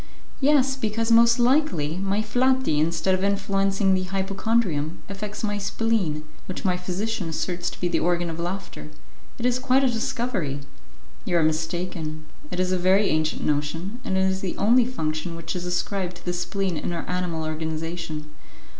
"Yes, because, most likely, my flati, instead of influencing the hypochondrium, affects my spleen, which my physician asserts to be the organ of laughter. It is quite a discovery." "You are mistaken; it is a very ancient notion, and it is the only function which is ascribed to the spleen in our animal organization."